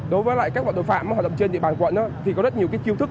đối với các loại tội phạm hoạt động trên địa bàn quận thì có rất nhiều chiêu thức